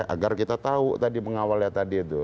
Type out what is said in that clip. agar kita tahu tadi pengawalnya tadi itu